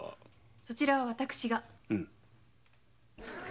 そちらは私が。